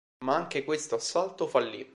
Ma anche questo assalto fallì.